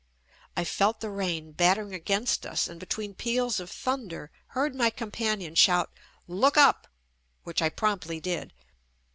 I felt the rain battering against us and between peals of thunder heard my companion shout "Look up," which I promptly did.